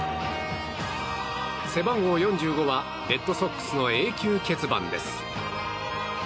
背番号４５はレッドソックスの永久欠番です。